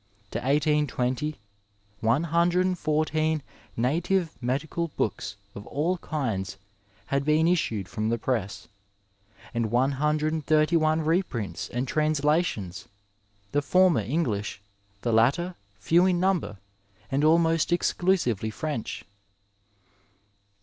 To 1820 one hundred and fourteen native medical books of all kinds had been issued frcmi the press, and one hundred and thirty ime reprints and translations, the former English, the lattw, few in number, and almost exclusively French (Billings).